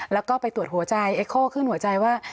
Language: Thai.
แล้วก็ไปตรวจหัวใจเอ็โคขึ้นหัวใจว่า